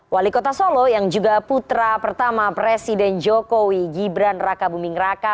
wali kota solo yang juga putra pertama presiden jokowi gibran raka buming raka